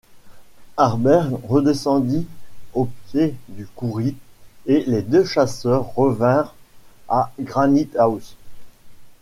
Harbert redescendit au pied du kauri, et les deux chasseurs revinrent à Granite-house.